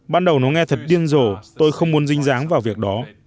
ban đầu nó nghe thật điên rồ tôi không muốn dinh dáng vào việc đó